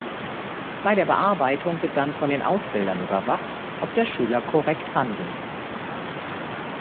Bei der Bearbeitung wird dann von den Ausbildern überwacht, ob der Schüler korrekt handelt.